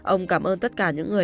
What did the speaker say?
ông cảm ơn tất cả những người